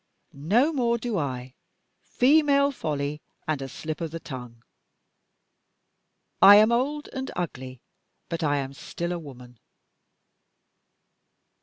"No more do I. Female folly, and a slip of the tongue; I am old and ugly, but I am still a woman.